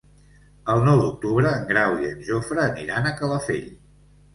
El nou d'octubre en Grau i en Jofre aniran a Calafell.